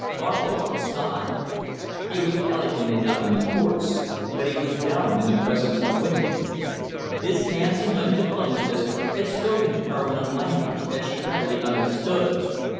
Farquhar sighed. He was eloquent enough in the courts, but he was dumb in the presence of women. This handsome young diplomatist had spoken to her in a language that she readily understood.